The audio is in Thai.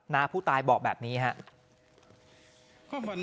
น้าผู้ตายบอกแบบนี้ฮะ